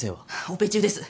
オペ中です。